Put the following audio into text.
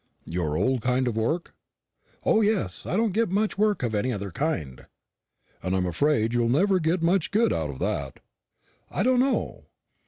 "Your old kind of work?" "O, yes. I don't get much work of any other kind." "And I'm afraid you'll never get much good out of that." "I don't know.